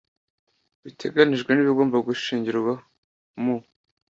biteganijwe n ibigomba gushingirwaho mu